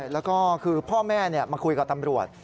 แล้วก็คือพ่อแม่มาคุยกับตำรวจ